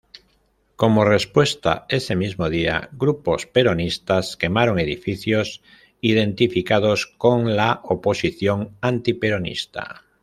Como respuesta, ese mismo día, grupos peronistas quemaron edificios identificados con la oposición antiperonista.